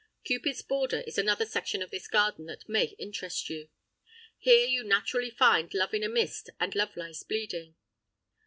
Cupid's Border is another section of this garden that may interest you. Here you naturally find Love in a mist and Love lies bleeding.